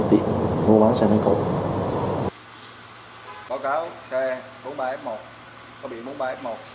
báo cáo xe bốn mươi ba f một có bị bốn mươi ba f một bốn mươi hai nghìn tám trăm năm mươi ba không có đặc biệt bao gọi là không thường có đặc biệt sao được